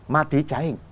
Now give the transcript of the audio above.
ma túy trái hình